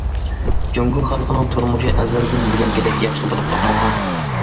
جۇڭگو خەلقىنىڭ تۇرمۇشى ئەزەلدىن بۈگۈنكىدەك ياخشى بولۇپ باقمىغان.